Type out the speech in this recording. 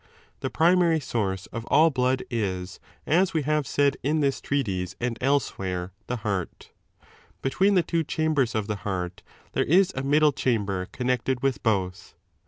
The primary source of all blood is, as 18 ve have said in this treatise and elsewhere,' the heart [ Between the two chambers of the heart there is a I middle chamber connected with both.